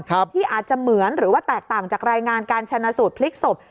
ที่อาจจะเหมือนหรือว่าแตกต่างจากรายงานการชนะสูตรพลิกศพ